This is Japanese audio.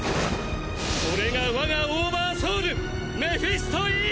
これが我がオーバーソウルメフィスト・Ｅ！